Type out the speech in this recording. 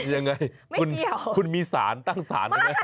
ยังไงคุณมีสารตั้งสาร